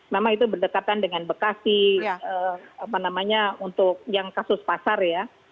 memang itu berdekatan dengan bekasi apa namanya untuk yang kasus pasar ya